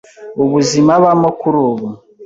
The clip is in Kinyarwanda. Ubuzima abamo kuri ubu